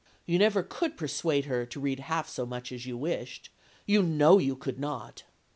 You never could persuade her to read half so much as you wished. You know you could not.'